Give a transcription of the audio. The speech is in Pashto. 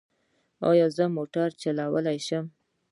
ایا زه موټر چلولی شم؟